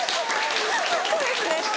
そうですね。